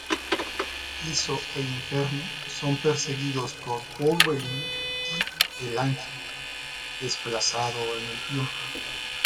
Iso e Inferno son perseguidos por Wolverine y el Ángel desplazado en el tiempo.